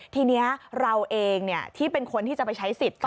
ทีนี้เราเองที่เป็นคนที่จะไปใช้สิทธิ์